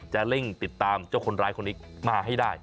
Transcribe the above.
จะเร่งติดตามเจ้าคนร้ายคนนี้มาให้ได้